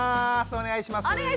お願いします。